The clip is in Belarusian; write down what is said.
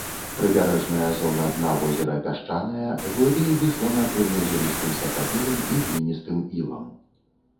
Прыбярэжная зона дна возера пясчаная, глыбей выслана крэменязёмістым сапрапелем і гліністым ілам.